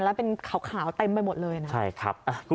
และเป็นขาวเต็มไปหมดเลยนะ